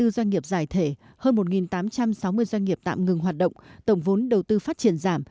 bảy trăm bảy mươi bốn doanh nghiệp giải thể hơn một tám trăm sáu mươi doanh nghiệp tạm ngừng hoạt động tổng vốn đầu tư phát triển giảm